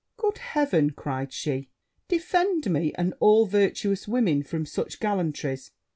'Good Heavens!' cried she, 'defend me, and all virtuous women, from such gallantries!